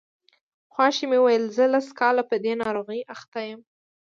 خواښې مې وویل زه لس کاله په دې ناروغۍ اخته یم.